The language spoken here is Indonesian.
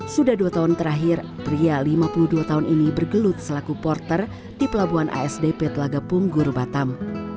sudah dua tahun terakhir pria lima puluh dua tahun ini bergelut selaku porter di pelabuhan asdp telaga punggur batam